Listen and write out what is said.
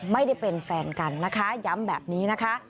ไม่ได้เป็นแฟนกันนะคะย้ำแบบนี้นะคะ